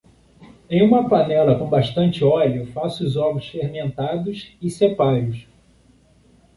Em uma panela com bastante óleo, faça os ovos fermentados e separe-os.